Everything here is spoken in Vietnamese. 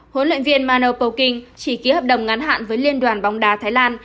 huấn luyện viên mano poking chỉ ký hợp đồng ngắn hạn với liên đoàn bóng đá thái lan